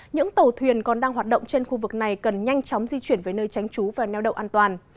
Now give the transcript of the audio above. những tàu thuyền còn đang hoạt động trên khu vực này cần nhanh chóng di chuyển với nơi tránh trú và neo đậu an toàn